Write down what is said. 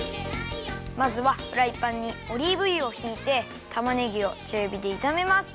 まずはフライパンにオリーブゆをひいてたまねぎをちゅうびでいためます。